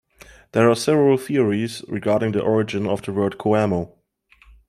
There are several theories regarding the origin of the word "Coamo".